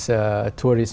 hai mươi năm trước